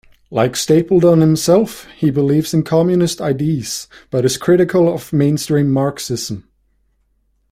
Like Stapledon himself, he believes in communist ideas but is critical of mainstream Marxism.